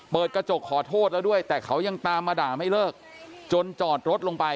เปิดกระจกขอโทษแล้วด้วยแต่เขายังตามมาด่าไม่เลิกจนจอดรถลงไป